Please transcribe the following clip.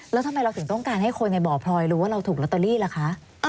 แล้วทำไมเราถึงต้องการให้คนในบ่อพลอยรู้ว่าเราถูกลอตเตอรี่ล่ะคะ